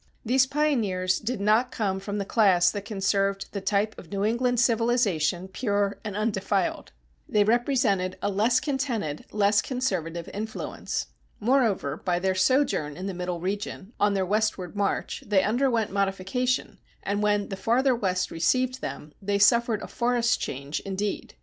These pioneers did not come from the class that conserved the type of New England civilization pure and undefiled. They represented a less contented, less conservative influence. Moreover, by their sojourn in the Middle Region, on their westward march, they underwent modification, and when the farther West received them, they suffered a forest change, indeed.